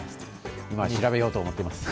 今、調べようと思っています。